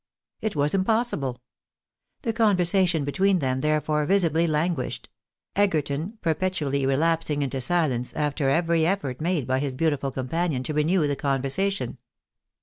It was impossible. The conversation between them, therefore, visibly languished ; Egerton perpetually relapsing into silence, after every efl'ort made by his beautiful companion to renew the conversation.